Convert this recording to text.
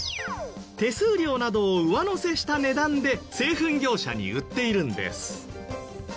手数料などを上乗せした値段で製粉業者に売っているんです。